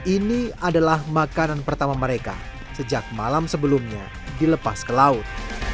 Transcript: ini adalah makanan pertama mereka sejak malam sebelumnya dilepas ke laut